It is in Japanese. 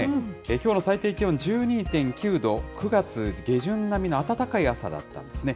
きょうの最低気温１２．９度、９月下旬並みの暖かい朝だったんですね。